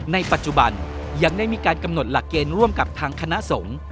ในปัจจุบันยังได้มีการกำหนดหลักเกณฑ์ร่วมกับทางคณะสงฆ์